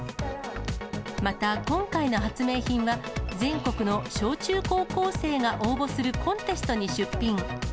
また今回の発明品は、全国の小中高校生が応募するコンテストに出品。